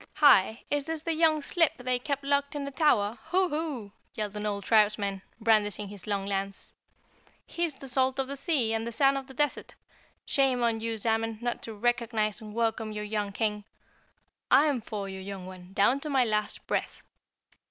"Hi, is this the young slip they kept locked in the tower? Hoo, Hoo!" yelled an old tribesman, brandishing his long lance. "He's the salt of the sea and the sand of the desert. Shame on you, Zamen, not to recognize and welcome your young King. I'm for you, young one, down to my last breath!"